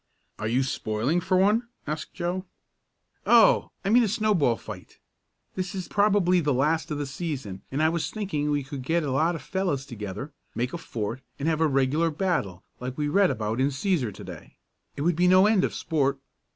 "Are you spoiling for one?" asked Joe. "Oh, I mean a snowball fight. This is probably the last of the season, and I was thinking we could get a lot of fellows together, make a fort, and have a regular battle like we read about in Cæsar to day. It would be no end of sport."